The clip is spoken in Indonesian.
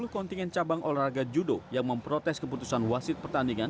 sepuluh kontingen cabang olahraga judo yang memprotes keputusan wasit pertandingan